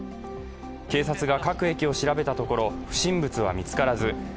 警察が各駅を調べたところ不審物は見つからず